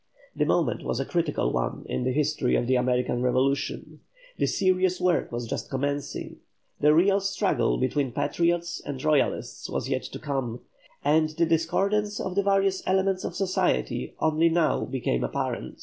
The moment was a critical one in the history of the American revolution; the serious work was just commencing; the real struggle between Patriots and Royalists was yet to come, and the discordance of the various elements of society only now became apparent.